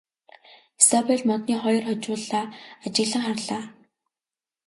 Изабель модны хоёр хожуулаа ажиглан харлаа.